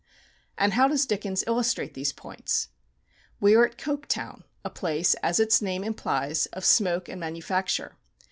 And how does Dickens illustrate these points? We are at Coketown, a place, as its name implies, of smoke and manufacture.